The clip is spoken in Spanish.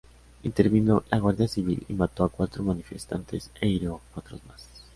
Intervino la Guardia Civil y mató a cuatro manifestantes e hirió a cuatro más.